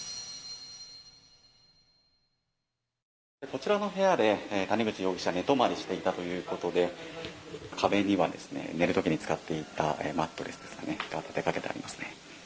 こちらの部屋で、谷口容疑者、寝泊りしていたということで、壁には寝るときに使っていたマットレスですかね、立てかけてありますね。